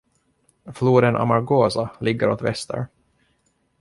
Floden Amargosa ligger åt väster.